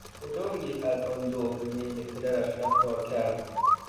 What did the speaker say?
کدامیک از آن دو به میل پدرش رفتار کرد؟